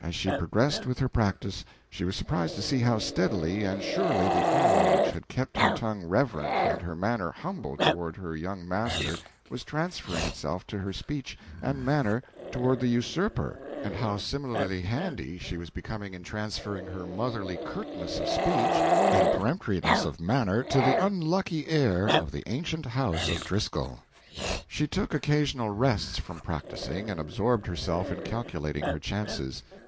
As she progressed with her practice, she was surprised to see how steadily and surely the awe which had kept her tongue reverent and her manner humble toward her young master was transferring itself to her speech and manner toward the usurper, and how similarly handy she was becoming in transferring her motherly curtness of speech and peremptoriness of manner to the unlucky heir of the ancient house of Driscoll. She took occasional rests from practising, and absorbed herself in calculating her chances.